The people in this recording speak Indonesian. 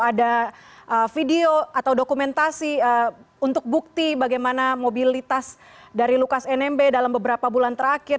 ada video atau dokumentasi untuk bukti bagaimana mobilitas dari lukas nmb dalam beberapa bulan terakhir